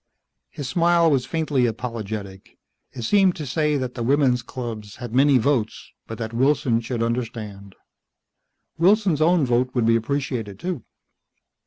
His smile was faintly apologetic. It seemed to say that the women's clubs had many votes, but that Wilson should understand, Wilson's own vote would be appreciated too.